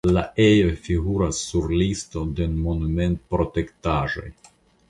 La ejo figuras sur listo de monumentprotektotaĵoj.